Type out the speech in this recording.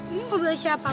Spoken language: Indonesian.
ini mobil siapa